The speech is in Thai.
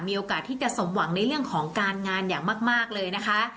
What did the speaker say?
มีโอกาสที่จะสมหวังในเรื่องของการงานอย่างมากเลยนะคะ